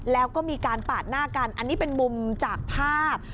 แล้วก็มีการปาดหน้ากันอันนี้เป็นมุมจากภาพ